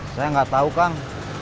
saya gak tau kang